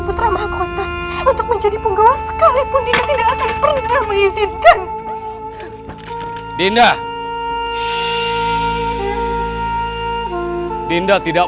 putra mahkota untuk menjadi penggawa sekalipun dia tidak akan pernah mengizinkan dinda dinda tidak